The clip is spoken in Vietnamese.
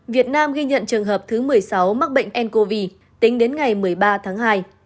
việt nam ghi nhận trường hợp thứ một mươi sáu mắc bệnh ncov tính đến ngày một mươi ba tháng hai